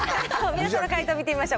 皆さんの解答、見てみましょう。